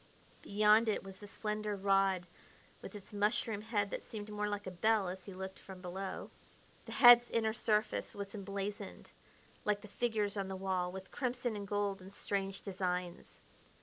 Beyond it was the slender rod with its mushroom head that seemed more like a bell as he looked from below. The head's inner surface was emblazoned, like the figures on the wall, with crimson and gold in strange designs.